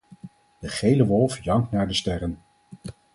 De gele wolf jankt naar de sterren.